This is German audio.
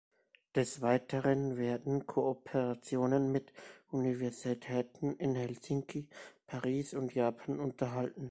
Des Weiteren werden Kooperationen mit Universitäten in Helsinki, Paris und Japan unterhalten.